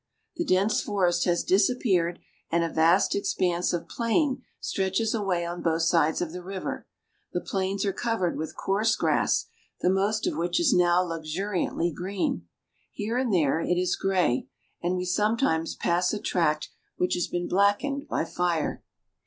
The dense forest has dis appeared, and a vast expanse of plain stretches away on both sides of the river. The plains are covered with coarse grass, the most of which is now luxuriantly green. Here and there it is gray, and we sometimes pass a tract which has been blackened by fire.